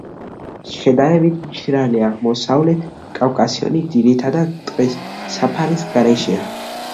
შედარებით მშრალი აღმოსავლეთ კავკასიონი ძირითადად ტყის საფარის გარეშეა.